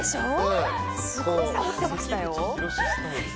すごいサボってましたよ。